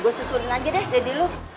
gua susulin lagi deh deddy lo